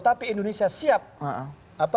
tapi indonesia siap